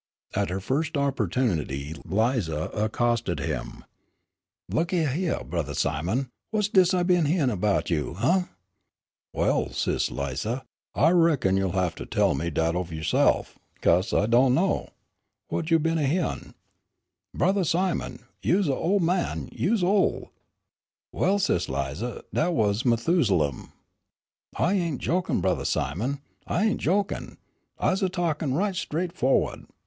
At her first opportunity Lize accosted him: "Look a hyeah, Brothah Simon, whut's dis I been hyeahin' 'bout you, huh?" "Well, sis' Lize, I reckon you'll have to tell me dat yo' se'f, 'case I do' know. Whut you been hyeahin'?" "Brothah Simon, you's a ol' man, you's ol'." "Well, sis' Lize, dah was Methusalem." "I ain' jokin', Brothah Simon, I ain' jokin', I's a talkin' right straightfo'wa'd.